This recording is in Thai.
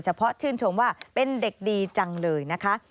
เพราะชื่นชมว่าเป็นเด็กดีจังเลยนะคะ